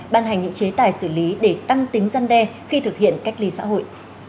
ban hành những chế tài xử lý để tăng tính dân đe khi thực hiện cách ly xã hội